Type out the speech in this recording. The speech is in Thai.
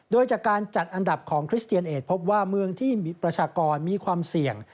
โดยจากการจัดอันดับของคริสเตียนเอสพบว่าเมืองที่มีประชากรมีความเสี่ยง